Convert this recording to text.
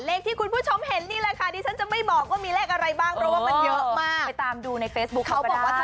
เลขที่คุณผู้ชมเห็นนี่แหละค่ะ